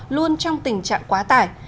luôn trong tình trạng quá tải